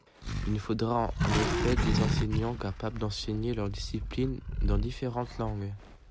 Il nous faudra en effet des enseignants capables d’enseigner leur discipline dans différentes langues.